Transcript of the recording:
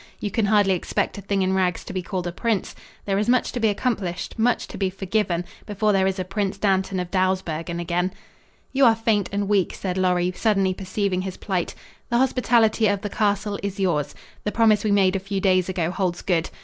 You can hardly expect a thing in rags to be called a prince. There is much to be accomplished, much to be forgiven, before there is a Prince Dantan of Dawsbergen again." "You are faint and week," said Lorry, suddenly perceiving his plight. "The hospitality of the castle is yours. The promise we made a few days ago holds good.